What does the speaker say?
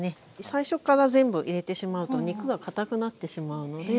最初から全部入れしまうと肉がかたくなってしまうので。